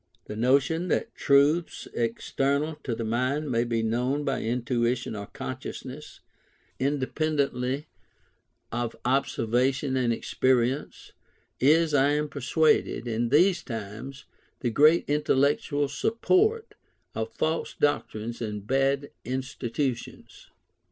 The notion that truths external to the mind may be known by intuition or consciousness, independently of observation and experience, is, I am persuaded, in these times, the great intellectual support of false doctrines and bad institutions.